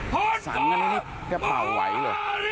ผ่านองค์การผ่านฝ่าผ่านอาริส